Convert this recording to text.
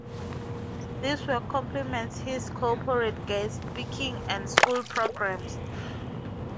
This work compliments his corporate guest speaking and school programs.